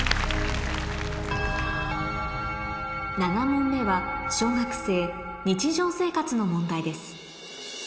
７問目は小学生の問題です